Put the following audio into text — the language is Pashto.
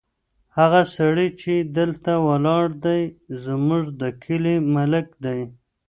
هغه سړی چې دلته ولاړ دی، زموږ د کلي ملک دی.